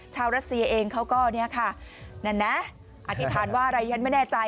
รัสเซียเองเขาก็เนี่ยค่ะนั่นนะอธิษฐานว่าอะไรฉันไม่แน่ใจ